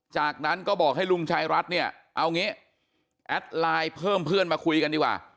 จากนั้นก็บอกให้ลุงชายรัฐเนี่ยเอางี้แอดไลน์เพิ่มเพื่อนมาคุยกันดีกว่า